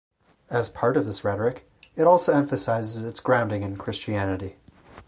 As part of this rhetoric it also emphasises its grounding in Christianity.